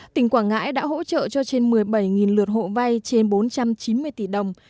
tỉnh quảng ngãi đã hỗ trợ cho trên một mươi bảy lượt hộ vay trên bốn trăm chín mươi tỷ đồng